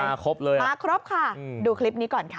ครบเลยมาครบค่ะดูคลิปนี้ก่อนค่ะ